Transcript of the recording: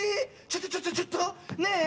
ちょっとちょっとちょっとねえ